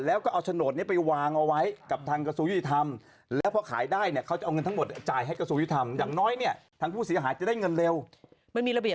แล้วก็เอาโฉนดนี้ไปวางเอาไว้กับทางกระทรวงยุติธรรม